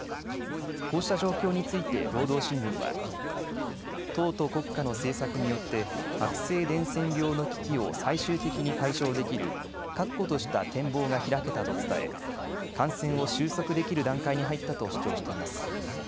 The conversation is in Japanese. こうした状況について労働新聞は党と国家の政策によって悪性伝染病の危機を最終的に解消できる確固とした展望が開けたと伝え感染を収束できる段階に入ったと主張しています。